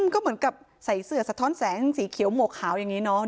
ก็เหมือนกับใส่เสื้อสะท้อนแสงสีเขียวหมวกขาวอย่างนี้เนาะ